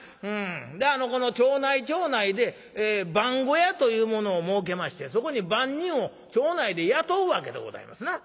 でこの町内町内で番小屋というものを設けましてそこに番人を町内で雇うわけでございますな。